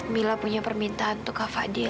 mila punya permintaan untuk kak fadil